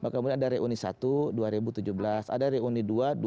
kemudian ada reuni satu dua ribu tujuh belas ada reuni dua dua ribu dua